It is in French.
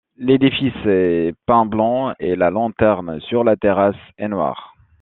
L'édifice est peint blanc et la lanterne, sur la terrasse, est noire.